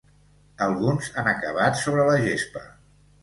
Alguns han acabat sobre la gespa.